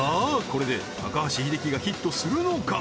これで高橋英樹がヒットするのか？